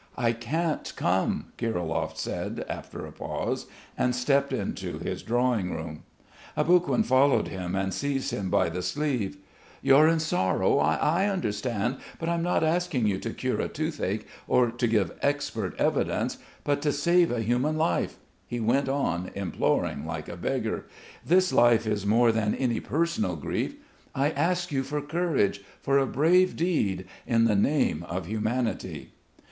"I can't come," Kirilov said after a pause, and stepped into his drawing room. Aboguin followed him and seized him by the sleeve. "You're in sorrow. I understand. But I'm not asking you to cure a toothache, or to give expert evidence, but to save a human life." He went on imploring like a beggar. "This life is more than any personal grief. I ask you for courage, for a brave deed in the name of humanity."